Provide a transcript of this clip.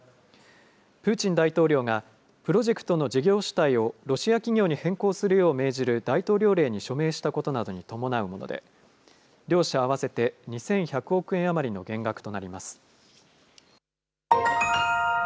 プーチン大統領が、プロジェクトの事業主体をロシア企業に変更するよう命じる大統領令に署名したことなどに伴うもので、両社合わせて２１００億円余りの減額となります。